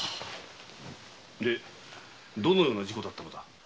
どのような事故だったのだ？